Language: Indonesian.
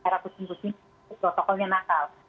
r satu ratus lima puluh lima itu protokolnya nakal